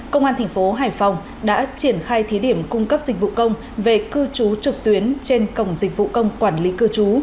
công an thành phố hải phòng đã triển khai thí điểm cung cấp dịch vụ công về cư trú trực tuyến trên cổng dịch vụ công quản lý cư trú